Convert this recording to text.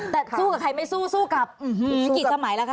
แต่สู้กับใครไม่สู้สู้กับสมัยละคะ